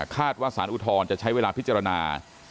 คาดว่าศาลอุทธรรมจะใช้เวลาพิจารณา